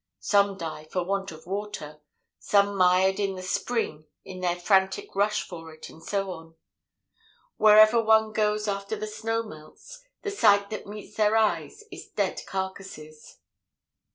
Some die for want of water, some mired in the spring in their frantic rush for it, and so on. Wherever one goes after the snow melts, the sight that meets their eyes is dead carcases.